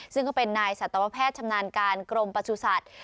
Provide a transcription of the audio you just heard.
ซึ่งก็เป็นนายสัตวแพทย์ชำนาญการกรมประสุทธิ์